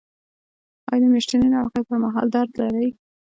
ایا د میاشتنۍ ناروغۍ پر مهال درد لرئ؟